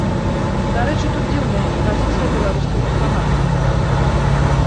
Дарэчы, тут дзіўная і пазіцыя беларускай дыпламатыі.